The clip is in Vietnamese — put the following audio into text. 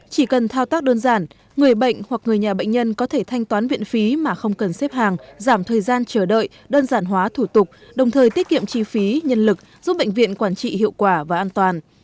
chỉ cần thao tác đơn giản người bệnh hoặc người nhà bệnh nhân có thể thanh toán viện phí mà không cần xếp hàng giảm thời gian chờ đợi đơn giản hóa thủ tục đồng thời tiết kiệm chi phí nhân lực giúp bệnh viện quản trị hiệu quả và an toàn